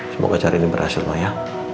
semoga caranya berhasil ma ya